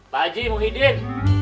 pak ji mau hidin